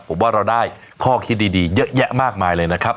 ผมว่าเราได้ข้อคิดดีเยอะแยะมากมายเลยนะครับ